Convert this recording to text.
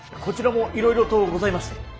こちらもいろいろとございまして。